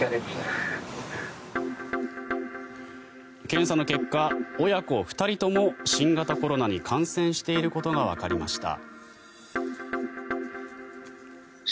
検査の結果親子２人とも新型コロナに感染していることがわかりました。